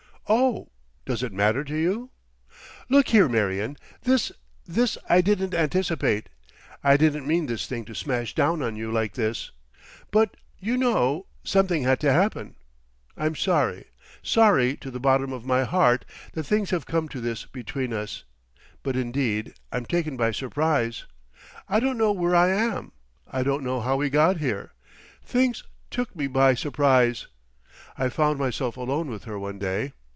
"Oh! does it matter to you?... Look here, Marion! This—this I didn't anticipate. I didn't mean this thing to smash down on you like this. But, you know, something had to happen. I'm sorry—sorry to the bottom of my heart that things have come to this between us. But indeed, I'm taken by surprise. I don't know where I am—I don't know how we got here. Things took me by surprise. I found myself alone with her one day.